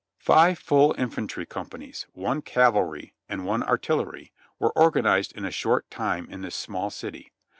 Five full infantry companies, one cavalry and one artillery, were organized in a short time in this small city.